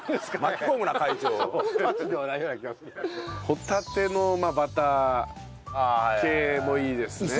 ホタテのバター系もいいですね。